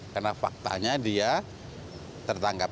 karena faktanya dia tertangkap